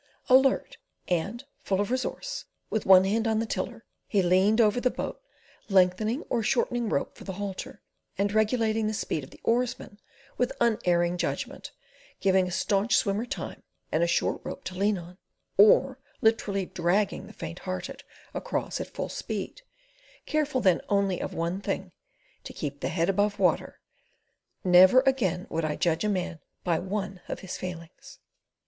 Alert and full of resource, with one hand on the tiller, he leaned over the boat, lengthening or shortening rope for the halter, and regulating the speed of the oarsmen with unerring judgment; giving a staunch swimmer time and a short rope to lean on, or literally dragging the faint hearted across at full speed; careful then only of one thing: to keep the head above water. Never again would I judge a man by one of his failings.